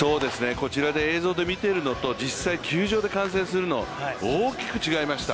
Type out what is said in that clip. こちらで映像で見てるのと実際に球場で観戦するの、大きく違いました。